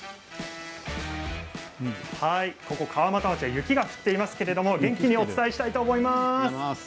川俣町は雪が降っていますが元気にお伝えしたいと思います。